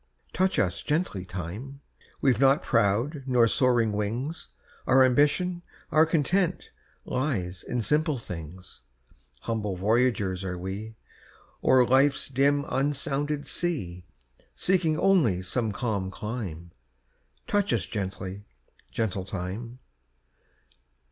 Touch us gently, Time! We've not proud nor soaring wings; Our ambition, our content, Lies in simple things. Humble voyagers are we, O'er life's dim unsounded sea, Seeking only some calm clime; Touch us gently, gentle Time!